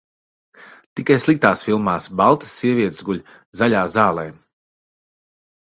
Tikai sliktās filmās baltas sievietes guļ zaļā zālē.